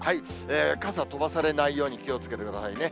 傘飛ばされないように気をつけてくださいね。